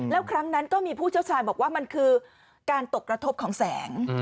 แล้วครั้งนั้นก็มีผู้เชี่ยวชาญบอกว่ามันคือการตกกระทบของแสง